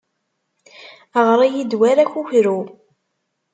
Ɣer-iyi-d war akukru.